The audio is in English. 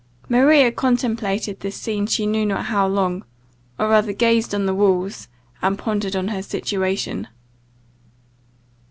Maria contemplated this scene she knew not how long; or rather gazed on the walls, and pondered on her situation.